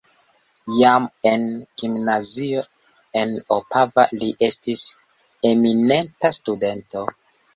Jam en gimnazio en Opava li estis eminenta studento.